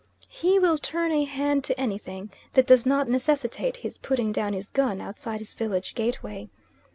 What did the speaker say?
He will turn a hand to anything, that does not necessitate his putting down his gun outside his village gateway.